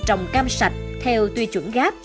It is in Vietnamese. trồng cam sạch theo tuy chuẩn gáp